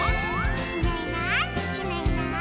「いないいないいないいない」